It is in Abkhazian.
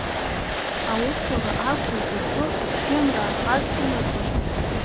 Аусура акәзар шәызҿу, џьымраа, хар сымаӡам.